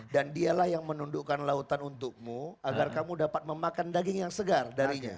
dan dialah yang menundukkan lautan untukmu agar kamu dapat memakan daging yang segar darinya